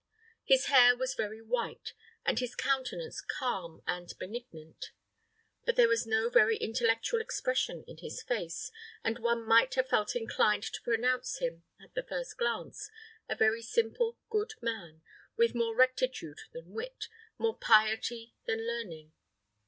His hair was very white, and his countenance calm and benignant; but there was no very intellectual expression in his face, and one might have felt inclined to pronounce him, at the first glance, a very simple, good man, with more rectitude than wit, more piety than learning.